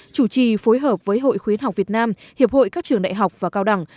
chủ trì phối hợp với hội khuyến học việt nam hiệp hội các trường đại học và cao đẳng